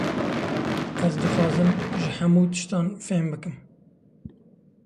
Ez dixwazim, ji hemû tiştan fêhm bikim